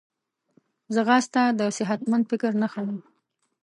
ځغاسته د صحتمند فکر نښه ده